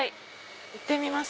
行ってみます。